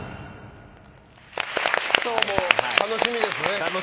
今日も楽しみですね。